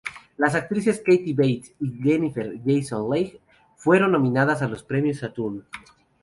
Las actrices Kathy Bates y Jennifer Jason Leigh fueron nominadas a los Premios Saturn.